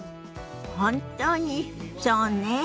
本当にそうね。